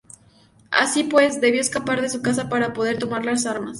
Así pues, debió escapar de su casa para poder tomar las armas.